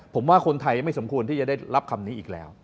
ผมว่าคนไทยไม่สมควรที่จะได้รับคำนี้อีกแล้ว